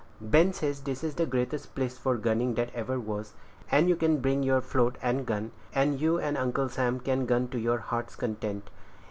Ben says this is the greatest place for gunning that ever was; and you can bring on your float and gun, and you and Uncle Sam can gun to your heart's content.